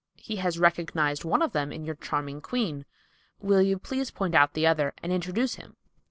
He has recognized one of them in your charming queen. Will you please point out the other and introduce him?"